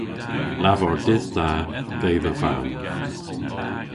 Lavar dydh da dhe dha vamm.